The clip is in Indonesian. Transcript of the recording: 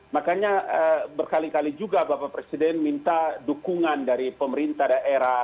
makanya berkali kali juga bapak presiden minta dukungan dari pemerintah daerah